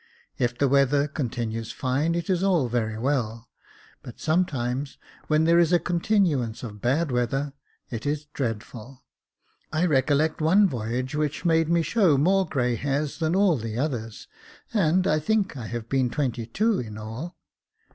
If the weather continues fine, it is all very well ; but sometimes when there is a continuance of bad weather, it is dreadful. I recollect one voyage which made me show more grey hairs than all the others, and I think I have been twenty two in all.